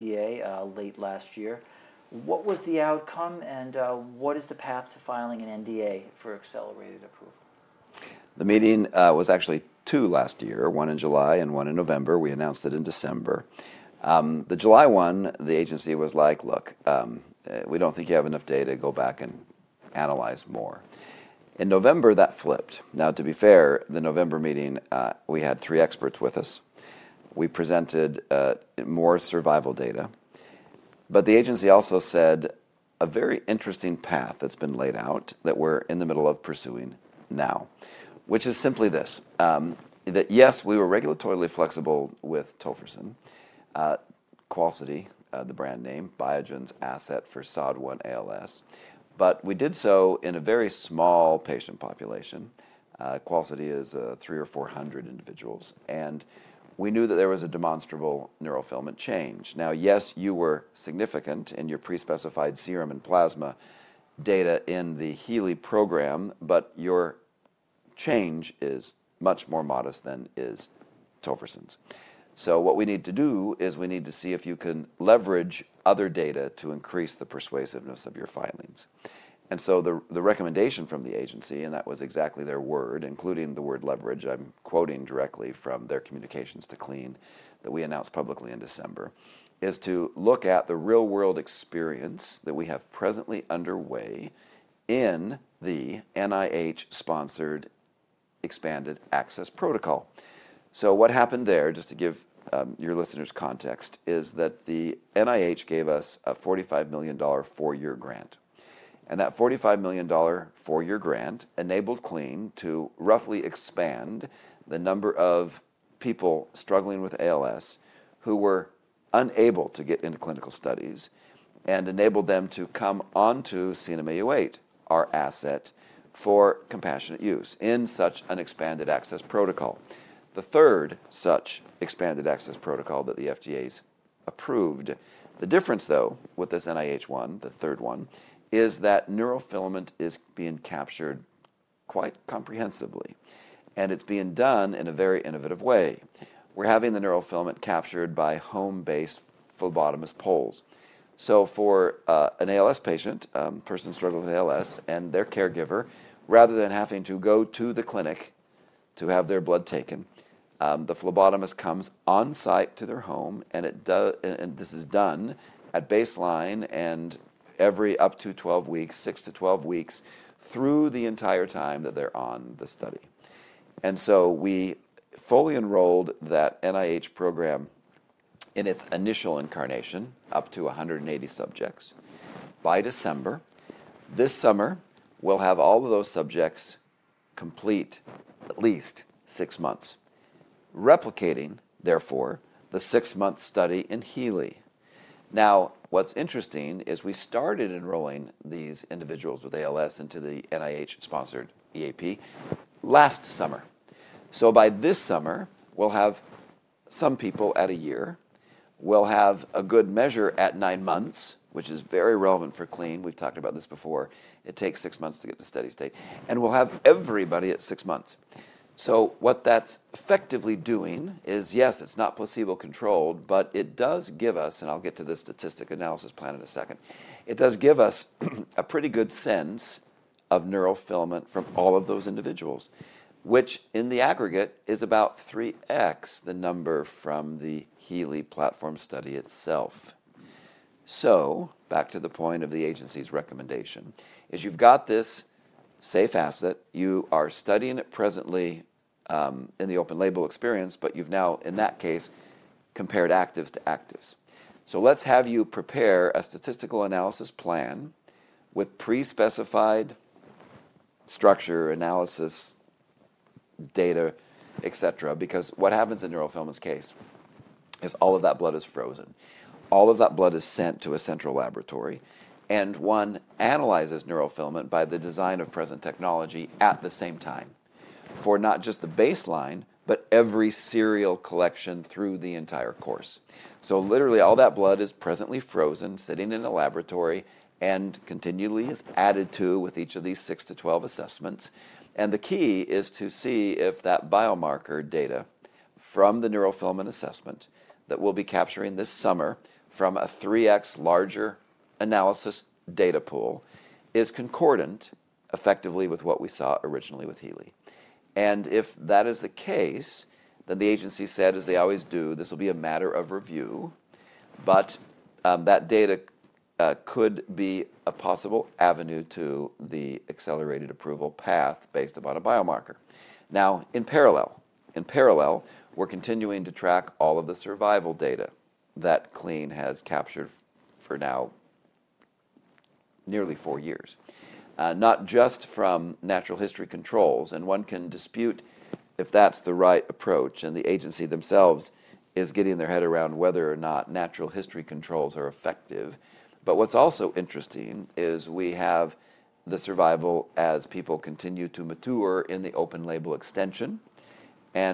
NDA late last year. What was the outcome, and what is the path to filing an NDA for accelerated approval? The meeting was actually two last year, one in July and one in November. We announced it in December. The July one, the agency was like, "Look, we don't think you have enough data to go back and analyze more." In November, that flipped. Now, to be fair, the November meeting, we had three experts with us. We presented more survival data. The agency also said a very interesting path that's been laid out that we're in the middle of pursuing now, which is simply this: that yes, we were regulatorily flexible with Tofersen. Qalsody, the brand name, Biogen's asset for SOD1 ALS. We did so in a very small patient population. Qalsody is 300 or 400 individuals. We knew that there was a demonstrable neurofilament change. Now, yes, you were significant in your pre-specified serum and plasma data in the HEALEY program, but your change is much more modest than is Tofersen's. What we need to do is we need to see if you can leverage other data to increase the persuasiveness of your findings. The recommendation from the agency, and that was exactly their word, including the word leverage, I'm quoting directly from their communications to Clene, that we announced publicly in December, is to look at the real-world experience that we have presently underway in the NIH-sponsored Expanded Access Protocol. What happened there, just to give your listeners context, is that the NIH gave us a $45 million four-year grant. That $45 million four-year grant enabled Clene to roughly expand the number of people struggling with ALS who were unable to get into clinical studies and enabled them to come onto CNM-Au8, our asset, for compassionate use in such an Expanded Access Protocol. The third such Expanded Access Protocol that the FDA has approved. The difference, though, with this NIH one, the third one, is that neurofilament is being captured quite comprehensively. It is being done in a very innovative way. We are having the neurofilament captured by home-based phlebotomist pulls. For an ALS patient, a person struggling with ALS and their caregiver, rather than having to go to the clinic to have their blood taken, the phlebotomist comes on site to their home. This is done at baseline and every up to 12 weeks, 6-12 weeks, through the entire time that they are on the study. We fully enrolled that NIH program in its initial incarnation, up to 180 subjects by December. This summer, we'll have all of those subjects complete at least six months, replicating, therefore, the six-month study in HEALEY. What's interesting is we started enrolling these individuals with ALS into the NIH-sponsored EAP last summer. By this summer, we'll have some people at a year. We'll have a good measure at nine months, which is very relevant for Clene. We've talked about this before. It takes six months to get to steady state. We'll have everybody at six months. What that's effectively doing is, yes, it's not placebo-controlled, but it does give us, and I'll get to the statistical analysis plan in a second, it does give us a pretty good sense of neurofilament from all of those individuals, which in the aggregate is about 3x the number from the HEALEY platform study itself. Back to the point of the agency's recommendation, you've got this safe asset. You are studying it presently in the open-label experience, but you've now, in that case, compared actives to actives. Let's have you prepare a statistical analysis plan with pre-specified structure, analysis, data, et cetera, because what happens in neurofilament's case is all of that blood is frozen. All of that blood is sent to a central laboratory. One analyzes neurofilament by the design of present technology at the same time for not just the baseline, but every serial collection through the entire course. Literally, all that blood is presently frozen, sitting in a laboratory, and continually is added to with each of these 6-12 assessments. The key is to see if that biomarker data from the neurofilament assessment that we'll be capturing this summer from a 3x larger analysis data pool is concordant effectively with what we saw originally with HEALEY. If that is the case, the agency said, as they always do, this will be a matter of review. That data could be a possible avenue to the accelerated approval path based upon a biomarker. Now, in parallel, we're continuing to track all of the survival data that Clene has captured for now nearly four years, not just from natural history controls. One can dispute if that's the right approach. The agency themselves is getting their head around whether or not natural history controls are effective. What's also interesting is we have the survival as people continue to mature in the open-label extension.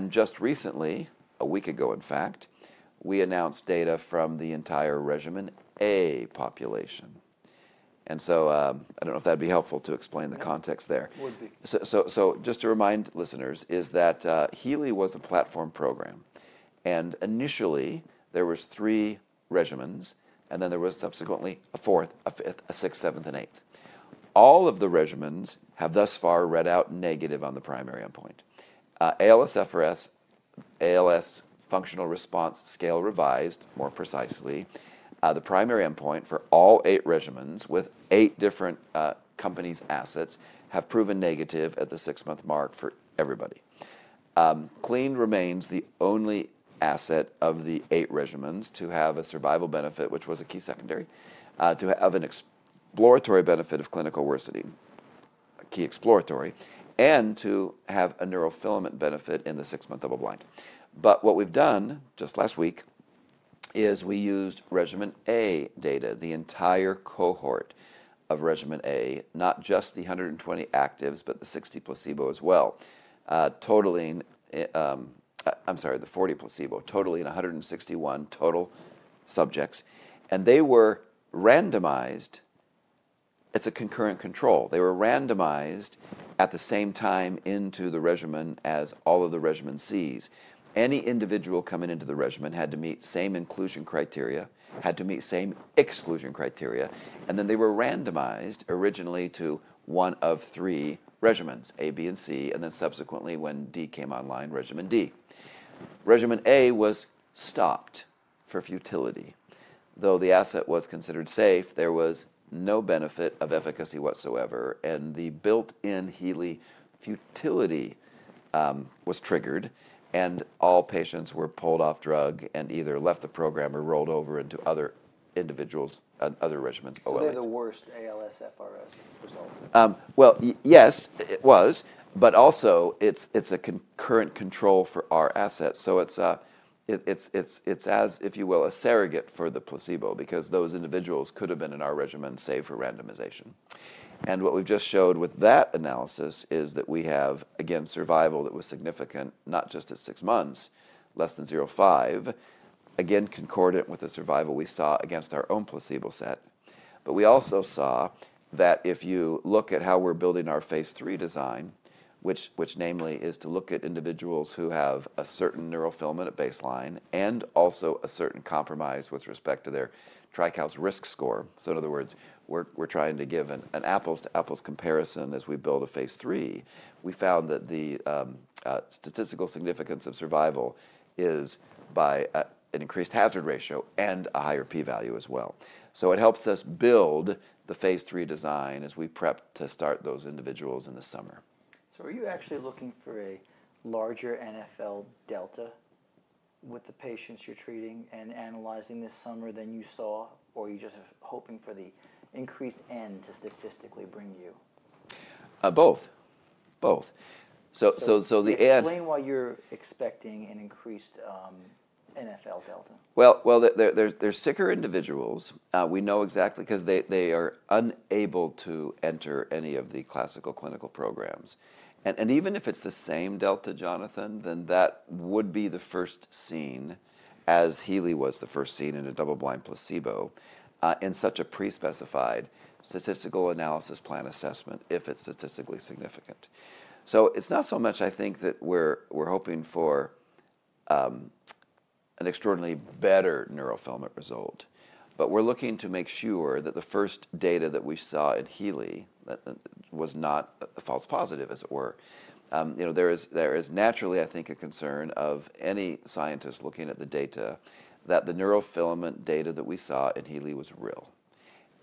Just recently, a week ago, in fact, we announced data from the entire Regimen A population. I don't know if that'd be helpful to explain the context there. Just to remind listeners, HEALEY was a platform program. Initially, there were three regimens. There was subsequently a fourth, a fifth, a sixth, seventh, and eighth. All of the regimens have thus far read out negative on the primary endpoint. ALS-FRS, ALS Functional Rating Scale Revised, more precisely, the primary endpoint for all eight regimens with eight different companies' assets have proven negative at the six-month mark for everybody. Clene remains the only asset of the eight regimens to have a survival benefit, which was a key secondary, to have an exploratory benefit of clinical worsening, a key exploratory, and to have a neurofilament benefit in the six-month double-blind. What we've done just last week is we used Regimen A data, the entire cohort of Regimen A, not just the 120 actives, but the 60 placebo as well, totaling, I'm sorry, the 40 placebo, totaling 161 total subjects. They were randomized. It's a concurrent control. They were randomized at the same time into the regimen as all of the regimen Cs. Any individual coming into the regimen had to meet the same inclusion criteria, had to meet the same exclusion criteria. They were randomized originally to one of three regimens, A, B, and C. Subsequently, when D came online, Regimen D. Regimen A was stopped for futility. Though the asset was considered safe, there was no benefit of efficacy whatsoever. The built-in HEALEY futility was triggered. All patients were pulled off drug and either left the program or rolled over into other individuals, other regimens. Were they the worst ALS-FRS result? Yes, it was. It is also a concurrent control for our assets. It is, if you will, a surrogate for the placebo because those individuals could have been in our regimen save for randomization. What we just showed with that analysis is that we have, again, survival that was significant, not just at six months, less than 0.5, again, concordant with the survival we saw against our own placebo set. We also saw that if you look at how we're building our phase three design, which namely is to look at individuals who have a certain neurofilament at baseline and also a certain compromise with respect to their TRICALS risk score. In other words, we're trying to give an apples-to-apples comparison as we build a phase three. We found that the statistical significance of survival is by an increased hazard ratio and a higher p-value as well. It helps us build the phase three design as we prep to start those individuals in the summer. Are you actually looking for a larger neurofilament delta with the patients you're treating and analyzing this summer than you saw, or are you just hoping for the increased n to statistically bring you? Both. Both. The end. Explain why you're expecting an increased NFL delta. They're sicker individuals. We know exactly because they are unable to enter any of the classical clinical programs. Even if it's the same delta, Jonathan, then that would be the first seen as HEALEY was the first seen in a double-blind placebo in such a pre-specified statistical analysis plan assessment if it's statistically significant. It's not so much I think that we're hoping for an extraordinarily better neurofilament result, but we're looking to make sure that the first data that we saw at HEALEY was not a false positive, as it were. There is naturally, I think, a concern of any scientist looking at the data that the neurofilament data that we saw at HEALEY was real.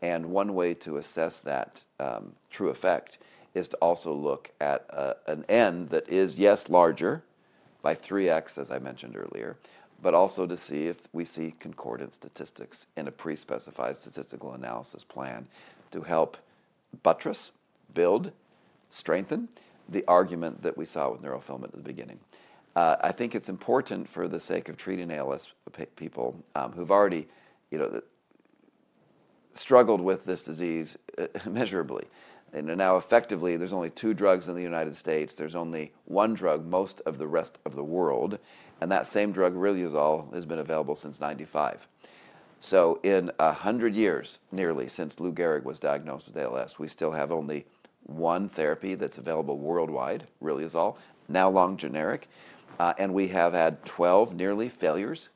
One way to assess that true effect is to also look at an end that is, yes, larger by 3x, as I mentioned earlier, but also to see if we see concordant statistics in a pre-specified statistical analysis plan to help buttress, build, strengthen the argument that we saw with neurofilament at the beginning. I think it's important for the sake of treating ALS people who've already struggled with this disease immeasurably. Now effectively, there's only two drugs in the United States. There's only one drug most of the rest of the world. That same drug, Riluzole, has been available since 1995. In 100 years, nearly, since Lou Gehrig was diagnosed with ALS, we still have only one therapy that's available worldwide, Riluzole, now long generic. We have had 12 nearly failures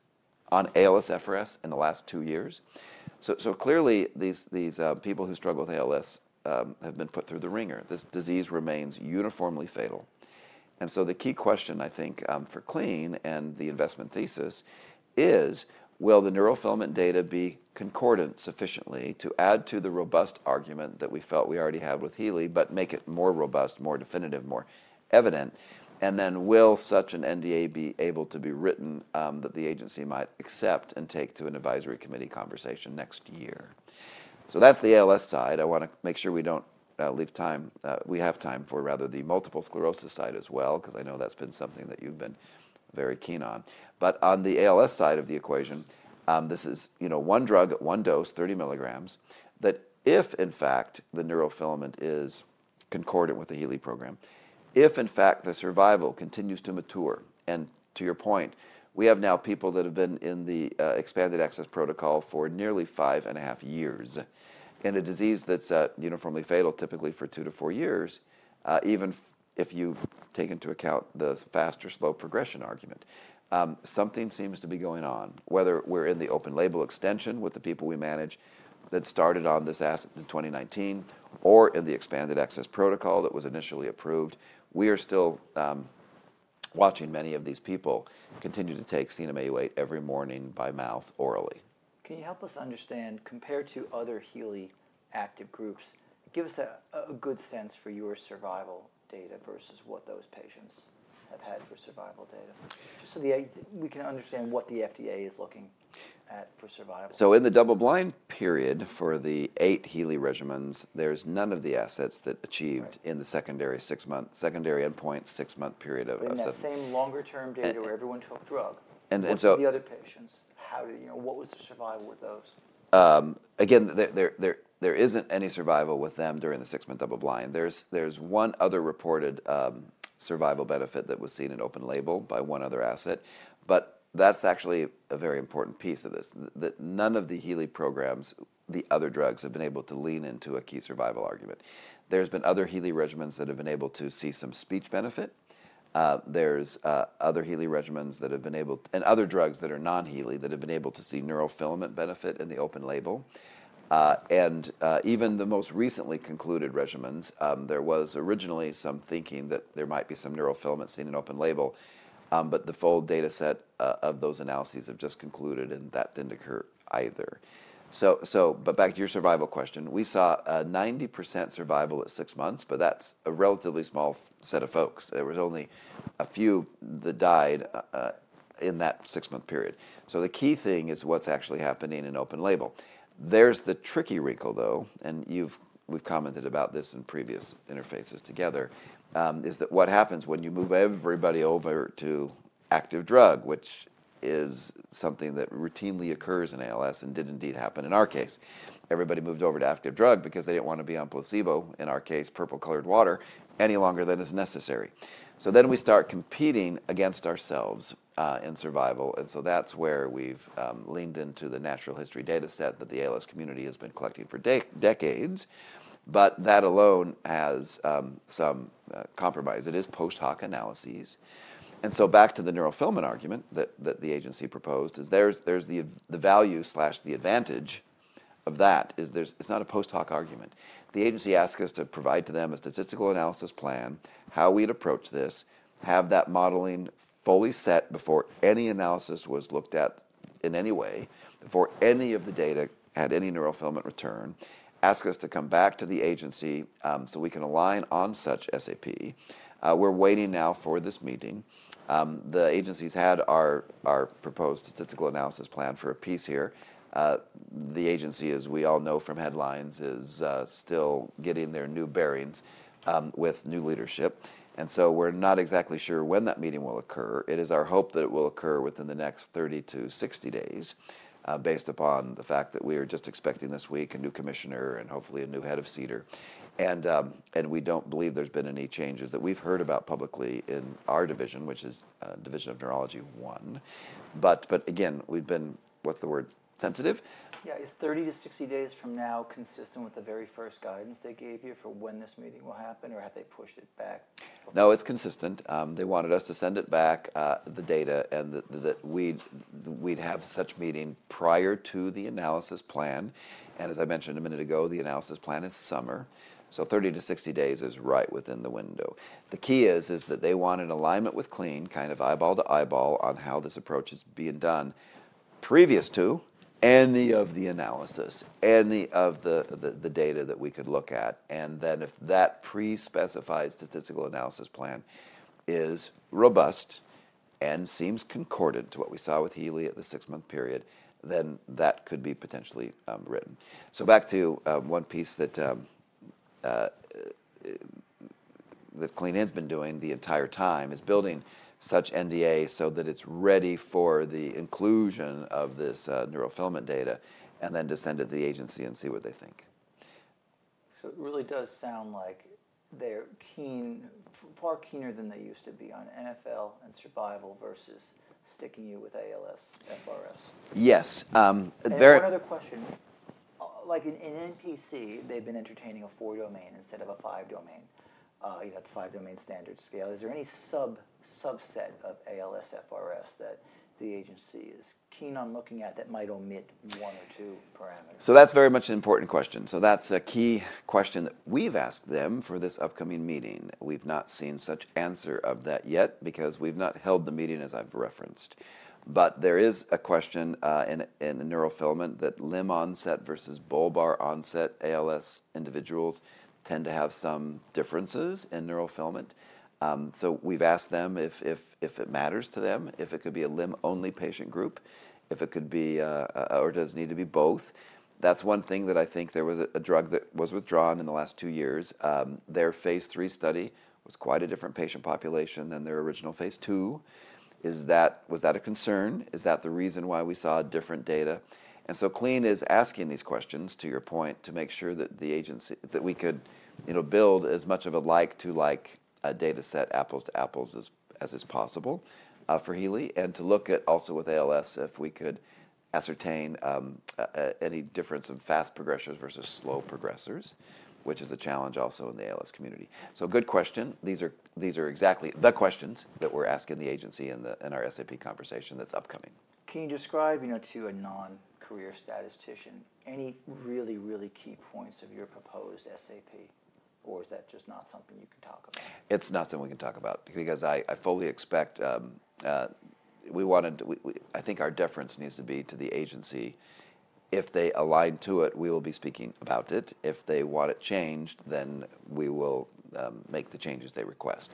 on ALS-FRS in the last two years. Clearly, these people who struggle with ALS have been put through the ringer. This disease remains uniformly fatal. The key question, I think, for Clene and the investment thesis is, will the neurofilament data be concordant sufficiently to add to the robust argument that we felt we already had with HEALEY, but make it more robust, more definitive, more evident? Will such an NDA be able to be written that the agency might accept and take to an advisory committee conversation next year? That is the ALS side. I want to make sure we do not leave time. We have time for, rather, the multiple sclerosis side as well, because I know that has been something that you have been very keen on. On the ALS side of the equation, this is one drug at one dose, 30 milligrams, that if, in fact, the neurofilament is concordant with the HEALEY program, if, in fact, the survival continues to mature. To your point, we have now people that have been in the Expanded Access Protocol for nearly five and a half years in a disease that's uniformly fatal typically for two to four years, even if you take into account the faster slow progression argument. Something seems to be going on, whether we're in the open-label extension with the people we manage that started on this asset in 2019 or in the Expanded Access Protocol that was initially approved. We are still watching many of these people continue to take CNM-Au8 every morning by mouth orally. Can you help us understand, compared to other highly active groups, give us a good sense for your survival data versus what those patients have had for survival data? Just so we can understand what the FDA is looking at for survival. In the double-blind period for the eight HEALEY regimens, there's none of the assets that achieved in the secondary endpoint, six-month period of. That same longer-term data where everyone took drug. And so. The other patients, what was the survival with those? Again, there isn't any survival with them during the six-month double-blind. There's one other reported survival benefit that was seen in open label by one other asset. That's actually a very important piece of this, that none of the HEALEY programs, the other drugs, have been able to lean into a key survival argument. There's been other HEALEY regimens that have been able to see some speech benefit. There's other HEALEY regimens that have been able and other drugs that are non-HEALEY that have been able to see neurofilament benefit in the open label. Even the most recently concluded regimens, there was originally some thinking that there might be some neurofilament seen in open label. The full data set of those analyses have just concluded, and that didn't occur either. Back to your survival question, we saw 90% survival at six months, but that's a relatively small set of folks. There was only a few that died in that six-month period. The key thing is what's actually happening in open label. There's the tricky wrinkle, though, and we've commented about this in previous interfaces together, is that what happens when you move everybody over to active drug, which is something that routinely occurs in ALS and did indeed happen in our case, everybody moved over to active drug because they didn't want to be on placebo, in our case, purple-colored water, any longer than is necessary. We start competing against ourselves in survival. That's where we've leaned into the natural history data set that the ALS community has been collecting for decades. That alone has some compromise. It is post-hoc analyses. Back to the neurofilament argument that the agency proposed, there's the value, the advantage of that. It's not a post-hoc argument. The agency asks us to provide to them a statistical analysis plan, how we'd approach this, have that modeling fully set before any analysis was looked at in any way, before any of the data had any neurofilament return, ask us to come back to the agency so we can align on such SAP. We're waiting now for this meeting. The agency's had our proposed statistical analysis plan for a piece here. The agency, as we all know from headlines, is still getting their new bearings with new leadership. We're not exactly sure when that meeting will occur. It is our hope that it will occur within the next 30-60 days based upon the fact that we are just expecting this week a new commissioner and hopefully a new head of CDER. We do not believe there has been any changes that we have heard about publicly in our division, which is Division of Neurology One. Again, we have been, what is the word, sensitive? Yeah. Is 30-60 days from now consistent with the very first guidance they gave you for when this meeting will happen, or have they pushed it back? No, it's consistent. They wanted us to send it back, the data, and that we'd have such meeting prior to the analysis plan. As I mentioned a minute ago, the analysis plan is summer. Thirty to sixty days is right within the window. The key is that they want an alignment with Clene, kind of eyeball to eyeball on how this approach is being done previous to any of the analysis, any of the data that we could look at. If that pre-specified statistical analysis plan is robust and seems concordant to what we saw with HEALEY at the six-month period, then that could be potentially written. Back to one piece that Clene has been doing the entire time is building such NDA so that it's ready for the inclusion of this neurofilament data and then to send it to the agency and see what they think. It really does sound like they're keen, far keener than they used to be on neurofilament and survival versus sticking you with ALS-FRS. Yes. One other question. Like in NPC, they've been entertaining a four-domain instead of a five-domain, the five-domain standard scale. Is there any subset of ALS-FRS that the agency is keen on looking at that might omit one or two parameters? That's very much an important question. That's a key question that we've asked them for this upcoming meeting. We've not seen such answer of that yet because we've not held the meeting, as I've referenced. There is a question in neurofilament that limb onset versus bulbar onset ALS individuals tend to have some differences in neurofilament. We've asked them if it matters to them if it could be a limb-only patient group, if it could be, or does it need to be both. That's one thing that I think there was a drug that was withdrawn in the last two years. Their phase three study was quite a different patient population than their original phase two. Was that a concern? Is that the reason why we saw different data? Clene is asking these questions, to your point, to make sure that we could build as much of a like-to-like data set, apples-to-apples as is possible for HEALEY, and to look at also with ALS if we could ascertain any difference in fast progressors versus slow progressors, which is a challenge also in the ALS community. Good question. These are exactly the questions that we're asking the agency in our SAP conversation that's upcoming. Can you describe to a non-career statistician any really, really key points of your proposed SAP, or is that just not something you can talk about? It's not something we can talk about because I fully expect we wanted to, I think our deference needs to be to the agency. If they align to it, we will be speaking about it. If they want it changed, then we will make the changes they request.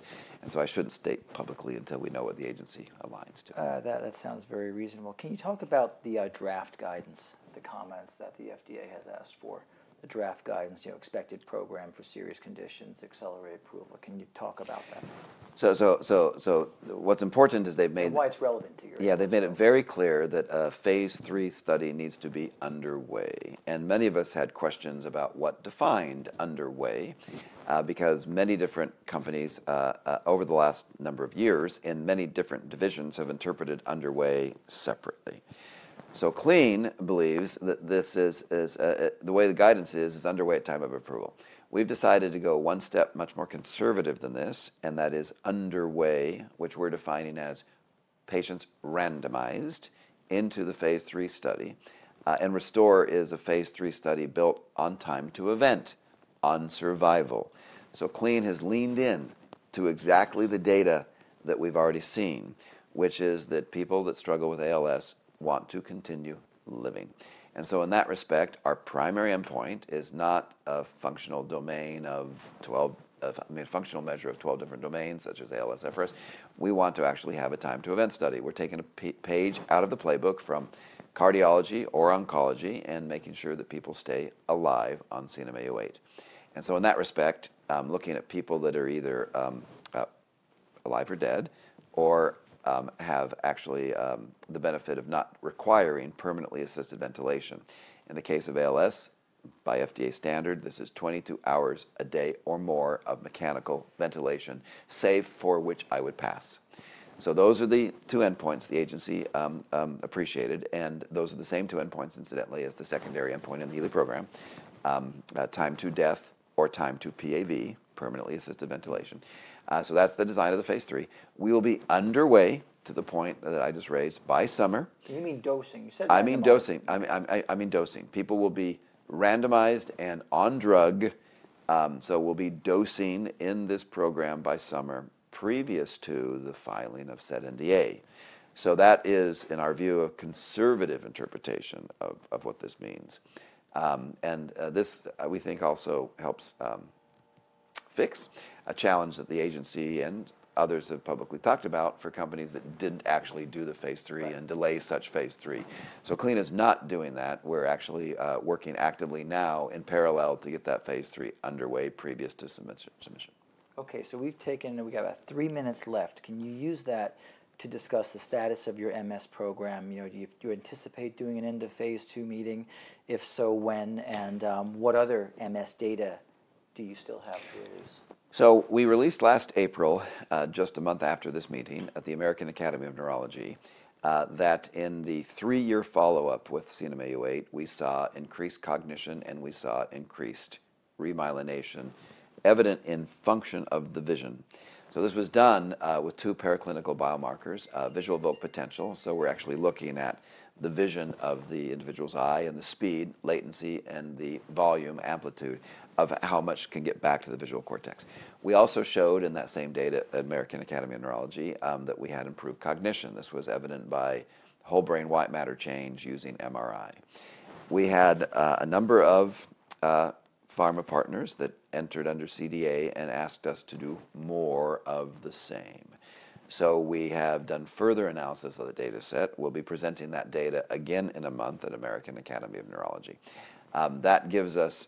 I shouldn't state publicly until we know what the agency aligns to. That sounds very reasonable. Can you talk about the draft guidance, the comments that the FDA has asked for, the draft guidance, expected program for serious conditions, accelerated approval? Can you talk about that? What's important is they've made. Why it's relevant to you. Yeah. They've made it very clear that a phase three study needs to be underway. Many of us had questions about what defined underway because many different companies over the last number of years in many different divisions have interpreted underway separately. Clene believes that this is the way the guidance is, is underway at time of approval. We've decided to go one step much more conservative than this, and that is underway, which we're defining as patients randomized into the phase three study. RESTORE is a phase three study built on time to event on survival. Clene has leaned in to exactly the data that we've already seen, which is that people that struggle with ALS want to continue living. In that respect, our primary endpoint is not a functional domain of 12, I mean, a functional measure of 12 different domains such as ALS-FRS. We want to actually have a time to event study. We're taking a page out of the playbook from cardiology or oncology and making sure that people stay alive on CNM-Au8. In that respect, looking at people that are either alive or dead or have actually the benefit of not requiring permanently assisted ventilation. In the case of ALS, by FDA standard, this is 22 hours a day or more of mechanical ventilation, safe for which I would pass. Those are the two endpoints the agency appreciated. Those are the same two endpoints, incidentally, as the secondary endpoint in the HEALEY program, time to death or time to PAV, permanently assisted ventilation. That is the design of the phase three. We will be underway to the point that I just raised by summer. You mean dosing. You said. I mean dosing. I mean dosing. People will be randomized and on drug. We'll be dosing in this program by summer previous to the filing of said NDA. That is, in our view, a conservative interpretation of what this means. This, we think, also helps fix a challenge that the agency and others have publicly talked about for companies that did not actually do the phase three and delay such phase three. Clene is not doing that. We're actually working actively now in parallel to get that phase three underway previous to submission. Okay. We've taken, we got about three minutes left. Can you use that to discuss the status of your MS program? Do you anticipate doing an end of phase two meeting? If so, when? What other MS data do you still have to release? We released last April, just a month after this meeting at the American Academy of Neurology, that in the three-year follow-up with CNM-Au8, we saw increased cognition and we saw increased remyelination evident in function of the vision. This was done with two paraclinical biomarkers, visual evoked potential. We're actually looking at the vision of the individual's eye and the speed, latency, and the volume amplitude of how much can get back to the visual cortex. We also showed in that same data at American Academy of Neurology that we had improved cognition. This was evident by whole brain white matter change using MRI. We had a number of pharma partners that entered under CDA and asked us to do more of the same. We have done further analysis of the data set. We'll be presenting that data again in a month at American Academy of Neurology. That gives us,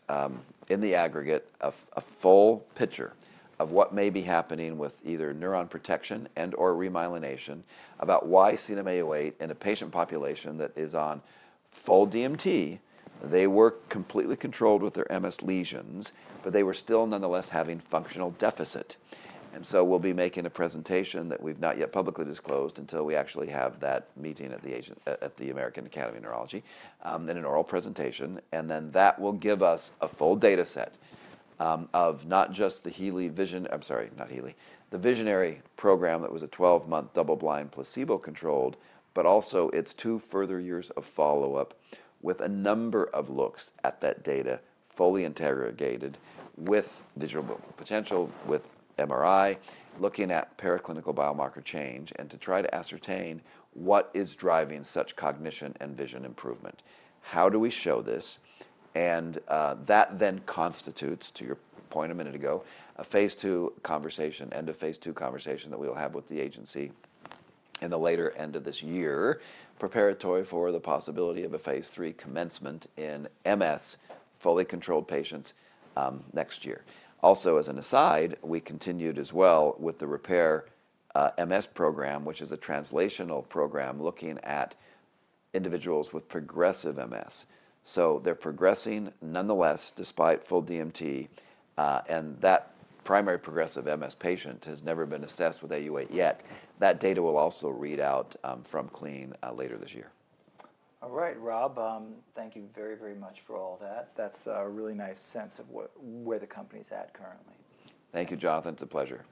in the aggregate, a full picture of what may be happening with either neuron protection and/or remyelination about why CNM-Au8 in a patient population that is on full DMT. They were completely controlled with their MS lesions, but they were still nonetheless having functional deficit. We will be making a presentation that we've not yet publicly disclosed until we actually have that meeting at the American Academy of Neurology, in an oral presentation. That will give us a full data set of not just the VISIONARY program that was a 12-month double-blind placebo-controlled, but also its two further years of follow-up with a number of looks at that data fully interrogated with visual evoked potential, with MRI, looking at paraclinical biomarker change and to try to ascertain what is driving such cognition and vision improvement. How do we show this? That then constitutes, to your point a minute ago, a phase two conversation, end of phase two conversation that we'll have with the agency in the later end of this year, preparatory for the possibility of a phase three commencement in MS fully controlled patients next year. Also, as an aside, we continued as well with the REPAIR-MS program, which is a translational program looking at individuals with progressive MS. They're progressing nonetheless despite full DMT. That primary progressive MS patient has never been assessed with AUA yet. That data will also read out from Clene later this year. All right, Rob. Thank you very, very much for all that. That's a really nice sense of where the company's at currently. Thank you, Jonathan. It's a pleasure.